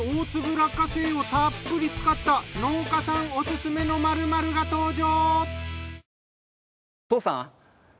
落花生をたっぷり使った農家さんオススメの○○が登場。